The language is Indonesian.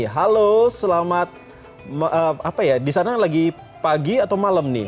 halo selamat apa ya di sana lagi pagi atau malam nih